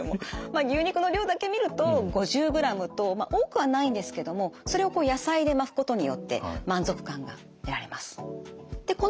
まあ牛肉の量だけ見ると５０ｇと多くはないんですけどもそれを野菜で巻くことによって満足感が得られます。